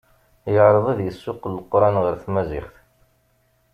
Yeɛreḍ ad d-yessuqel leqran ɣer tmaziɣt.